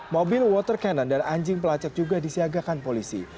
mobil water cannon dan anjing pelacak juga disiagakan polisi